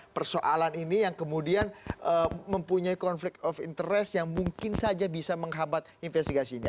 di luar persoalan ini yang kemudian mempunyai konflik of interest yang mungkin saja bisa menghambat investigasi ini